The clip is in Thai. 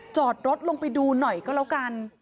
จอดรถลงไปดูหน่อยก็แล้วกัน